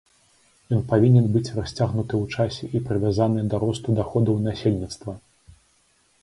Ён павінен быць расцягнуты ў часе і прывязаны да росту даходаў насельніцтва.